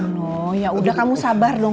aduh no yaudah kamu sabar dong